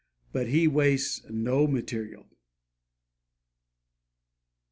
But He wastes no material!